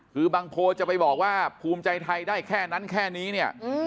คือบางโพลจะไปบอกว่าภูมิใจไทยได้แค่นั้นแค่นี้เนี่ย